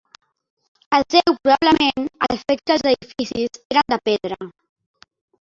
Es deu probablement al fet que els edificis eren de pedra.